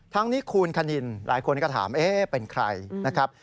ทั้งนี้คูณคณินหลายคนก็ถามเป็นใครนะครับ